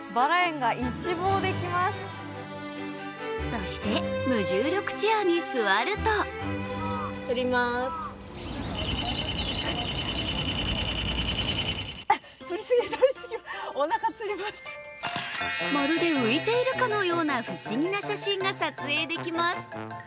そして、無重力チェアに座るとまるで浮いているかのような不思議な写真が撮影できます。